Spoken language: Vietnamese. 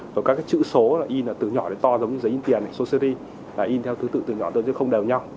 rồi các chữ số in là từ nhỏ đến to giống như giấy in tiền số series in theo thứ tự từ nhỏ tới không đều nhau